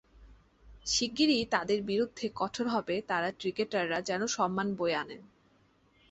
শিগগিরই তাদের বিরুদ্ধে কঠোর হবে তারা ক্রিকেটাররা যেমন সম্মান বয়ে আনেন।